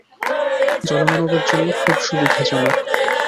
জলমানবের জন্য খুব সুবিধাজনক।